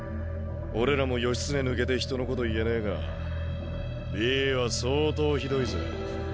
俺らも義経抜けて人のこと言えねえがＢは相当ひどいぜ。